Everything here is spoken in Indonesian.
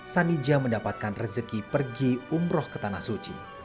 sani jaya mendapatkan rezeki pergi umroh ke tanah suci